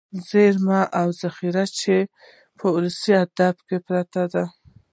ذېرمې او ذخيرې چې په ولسي ادبياتو کې پراتې دي.